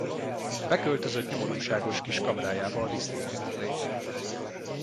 Beköltözött nyomorúságos kis kamrájába a disznóól mellé.